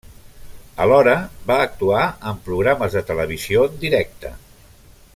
Alhora va actuar en programes de televisió en directe.